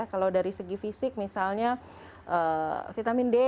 kalau dari segi fisik misalnya vitamin d